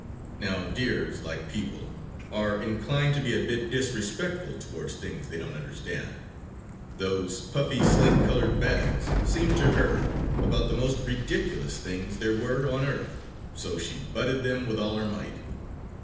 Now deers, like people, are inclined to be a bit disrespectful towards things they don't understand. Those puffy slate colored bags seemed to her about the most ridiculous things there was on earth! So she butted them with all her might.